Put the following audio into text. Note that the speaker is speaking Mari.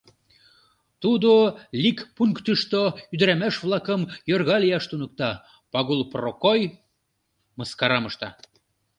— Тудо ликпунктышто ӱдырамаш-влакым йорга лияш туныкта, — Пагул Прокой мыскарам ышта.